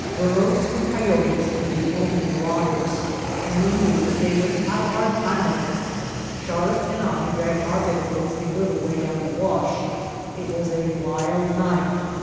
Burros and coyotes were the only marauders, and we knew that they would have a hard time of it. Charlotte and I dragged our bed rolls a little way down the wash. It was a wild night.